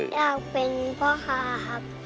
อยากเป็นพ่อค้าครับ